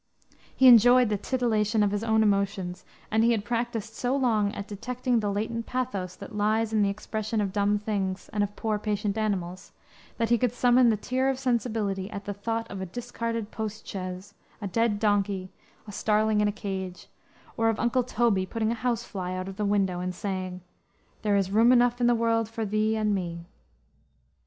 He enjoyed the titilation of his own emotions, and he had practiced so long at detecting the latent pathos that lies in the expression of dumb things and of poor, patient animals, that he could summon the tear of sensibility at the thought of a discarded postchaise, a dead donkey, a starling in a cage, or of Uncle Toby putting a house fly out of the window, and saying, "There is room enough in the world for thee and me."